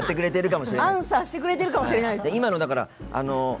アンサーしてくれてるかもしれないですね。